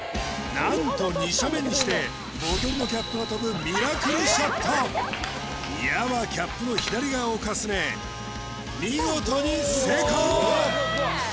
なんと２射目にしてボトルのキャップが飛ぶ矢はキャップの左側をかすめ見事に成功！